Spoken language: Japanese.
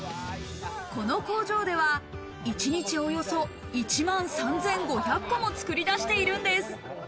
この工場では一日およそ１万３５００個も作り出しているんです。